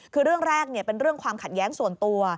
คือเรื่องแรกเป็นเรื่องความขัดแย้งส่วนตัว